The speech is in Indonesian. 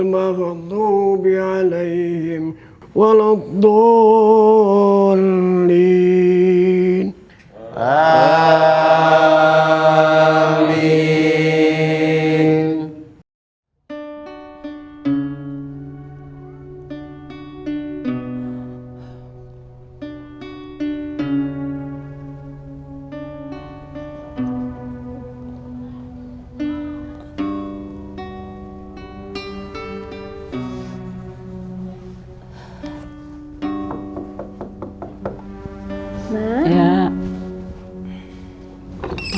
daripada pilih cap dan